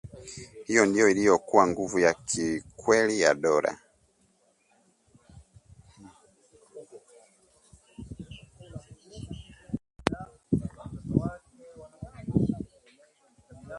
Hiyo ndiyo iliyokuwa nguvu ya kikweli ya dola